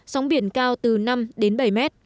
sóng biển cao từ năm đến bảy m